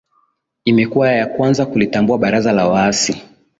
imekuwa ya kwanza kulitambua baraza la waasi